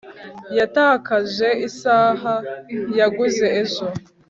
yatakaje isaha yaguze ejo